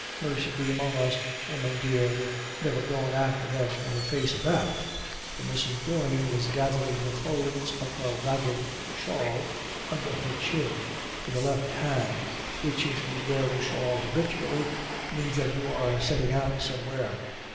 Mercy be among us, woman dear, you're niver goin' after them in the face of that ?"— for Mrs. Doyne was gathering the folds of her ragged shawl under her chin with her left hand, which, if you wear a shawl habitually, means that you are setting out somewhere.